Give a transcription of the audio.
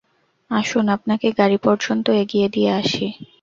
আসুন, আপনাকে গাড়ি পর্যন্ত এগিয়ে দিয়ে আসি।